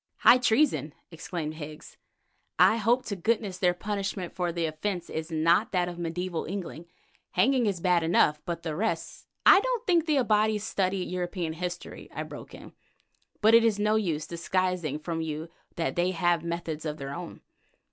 "High treason!" exclaimed Higgs. "I hope to goodness their punishment for the offence is not that of mediæval England; hanging is bad enough—but the rest——!" "I don't think the Abati study European history," I broke in; "but it is no use disguising from you that they have methods of their own.